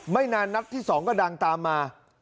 นานนัดที่๒ก็ดังตามมา